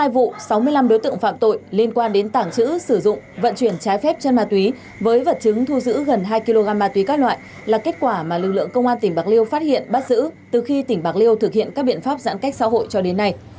một mươi vụ sáu mươi năm đối tượng phạm tội liên quan đến tảng chữ sử dụng vận chuyển trái phép chân ma túy với vật chứng thu giữ gần hai kg ma túy các loại là kết quả mà lực lượng công an tỉnh bạc liêu phát hiện bắt giữ từ khi tỉnh bạc liêu thực hiện các biện pháp giãn cách xã hội cho đến nay